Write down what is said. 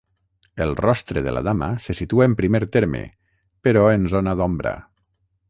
El rostre de la dama se situa en primer terme, però en zona d'ombra.